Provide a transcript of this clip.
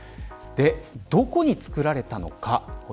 どこにつくられたのか。